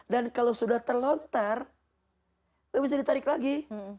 dan kalau sudah terlontar bisa ditarik lagi